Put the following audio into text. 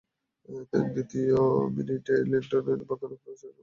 দ্বিতীয় মিনিটে লিংকনের বাঁকানো ক্রসে এমেকা ডার্লিংটনের হেডে এগিয়ে যায় শেখ জামাল।